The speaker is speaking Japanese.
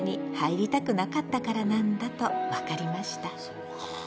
そうか。